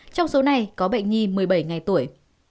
trong số này có bệnh nhi một mươi bảy ngày tuổi